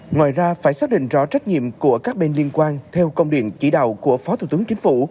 ngoài ra phải xác định rõ trách nhiệm của các bên liên quan theo công điện chỉ đạo của phó thủ tướng chính phủ